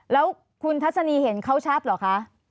แล้วคุณทัศนีเห็นเขาชัดเหรอคะ